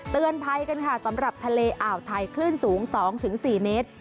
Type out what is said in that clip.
เตือนภัยกันค่ะสำหรับทะเลอ่าวไทยคลื่นสูง๒๔เมตร